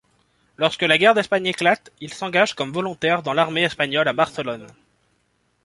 Lorsque la guerre d’Espagne éclate, il s’engage comme volontaire dans l’armée espagnole à Barcelone.